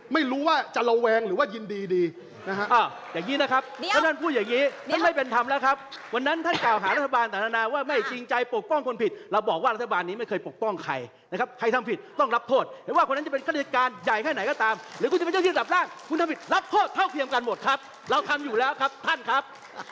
ไม่รู้ว่าจะระวังหรือว่ายินดีนะครับ